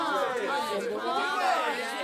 ¿él beberá?